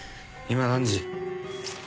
今何時？